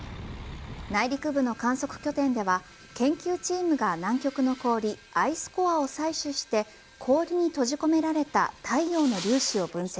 内陸部の観測拠点では研究チームが、南極の氷アイスコアを採取して氷に閉じ込められた太陽の粒子を分析。